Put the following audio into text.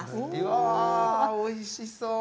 わあおいしそう。